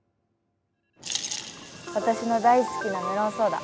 わたしの大好きなメロンソーダ。